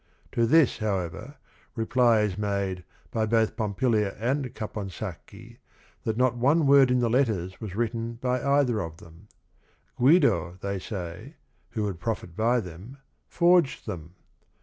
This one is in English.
To this, however, reply is made by both Pompilia and Caponsacchi, that not one word in the letters was written by either of them. Guido, they say, who would profit by them, forged them.